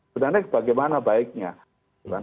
sebenarnya bagaimana baiknya